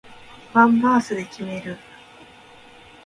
ワンバースで決める